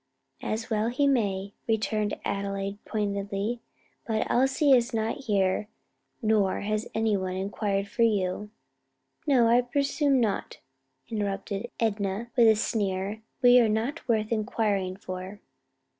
"As well he may," returned Adelaide pointedly; "but Elsie is not here nor has any one inquired for you." "No, I presume not," interrupted Enna with a sneer, "we are not worth inquiring for."